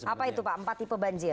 apa itu pak empat tipe banjir